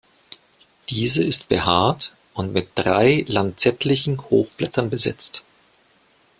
Diese ist behaart und mit drei lanzettlichen Hochblättern besetzt.